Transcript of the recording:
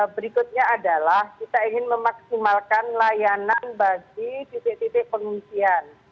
berikutnya adalah kita ingin memaksimalkan layanan bagi titik titik pengungsian